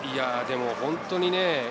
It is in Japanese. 本当にね。